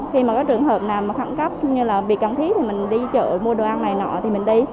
khi mà có trường hợp nào mà khẳng cấp như là bị cầm khí thì mình đi chợ mua đồ ăn này nọ thì mình đi